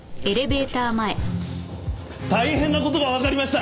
大変な事がわかりました！